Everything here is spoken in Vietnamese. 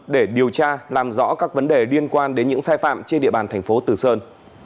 để điều tra làm rõ các vấn đề liên quan đến những sai phạm trên địa bàn tp từ sơn